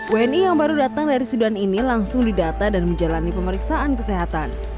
wni yang baru datang dari sudan ini langsung didata dan menjalani pemeriksaan kesehatan